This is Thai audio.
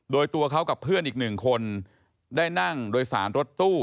โดยตัวเขากับเพื่อนอีกหนึ่งคนได้นั่งโดยสารรถตู้